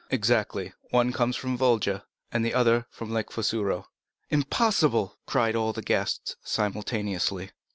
"Exactly; one comes from the Volga, and the other from Lake Fusaro." "Impossible!" cried all the guests simultaneously.